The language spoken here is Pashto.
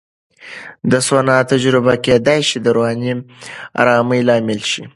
د سونا تجربه کېدای شي د رواني آرامۍ لامل شي.